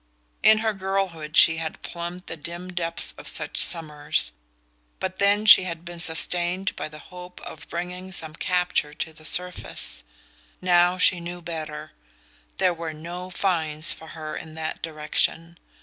In her girlhood she had plumbed the dim depths of such summers; but then she had been sustained by the hope of bringing some capture to the surface. Now she knew better: there were no "finds" for her in that direction.